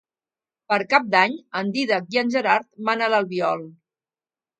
Per Cap d'Any en Dídac i en Gerard van a l'Albiol.